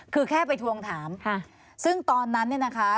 คือแค่ไปทวงถามซึ่งตอนนั้นเนี่ยนะคะ